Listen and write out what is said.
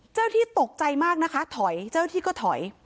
ที่ตกใจมากนะคะถอยเจ้าหน้าที่ก็ถอย